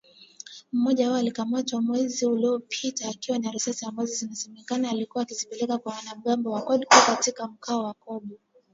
Mmoja wao alikamatwa mwezi uliopita akiwa na risasi ambazo inasemekana alikuwa akizipeleka kwa wanamgambo wa CODECO katika mkoa wa Kobu